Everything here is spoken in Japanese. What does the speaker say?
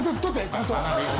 ちゃんと。